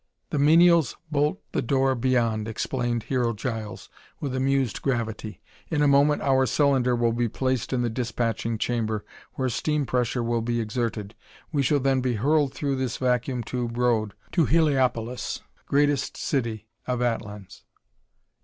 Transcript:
"The menials bolt the door beyond," explained Hero Giles with amused gravity. "In a moment our cylinder will be placed in the dispatching chamber, where steam pressure will be exerted. We shall then be hurled through this vacuum tube road to Heliopolis, greatest city of Atlans.